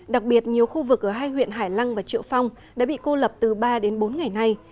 đặc biệt nhiều khu vực ở hai huyện hải lăng và triệu phong đã bị cô lập từ ba đến bốn ngày nay